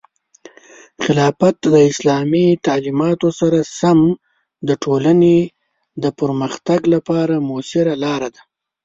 خلافت د اسلامي تعلیماتو سره سم د ټولنې د پرمختګ لپاره مؤثره لاره ده.